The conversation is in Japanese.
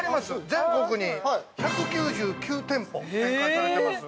全国に１９９店舗展開されてます。